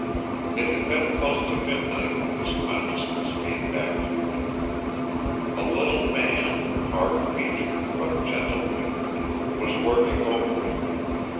It had been close to midnight when his consciousness came back to him. A little man, hard featured but gentle fingered, was working over him.